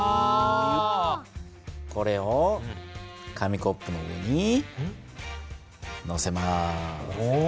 これを紙コップの上にのせます。